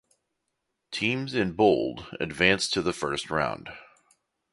Teams in bold advanced to the first round.